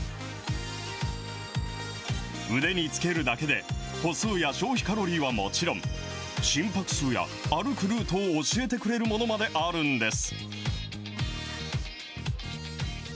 腕につけるだけで、歩数や消費カロリーはもちろん、心拍数や歩くルートを教えてくれるものまであるんです。